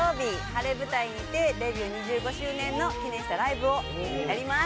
ｈａｒｅｖｕｔａｉにてデビュー２５周年の記念したライブをやります